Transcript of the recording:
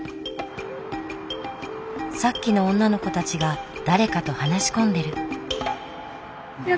さっきの女の子たちが誰かと話し込んでる。